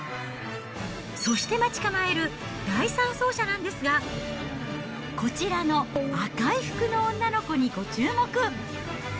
そして待ち構える第３走者なんですが、こちらの赤い服の女の子にご注目。